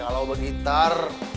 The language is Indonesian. oke kalau begitar